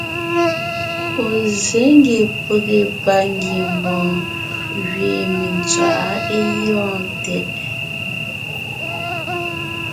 Ɔ̀ zsé ngie pege pangiembɔɔn gẅiin mentswaʼá é gyɔ̂ɔn tɛʼ.